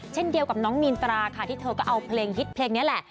เช่นเดียวกับน้องมีนตราค่ะที่เธอก็เอาเพลงฮิตเพลงนี้แหละ